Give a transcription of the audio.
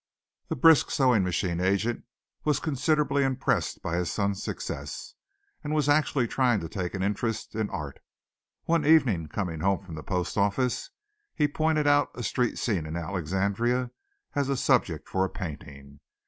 The brisk sewing machine agent was considerably impressed by his son's success, and was actually trying to take an interest in art. One evening coming home from the post office he pointed out a street scene in Alexandria as a subject for a painting.